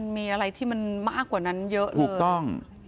มีอะไรที่มากกว่านั้นเยอะเลยกลุ่มต้อง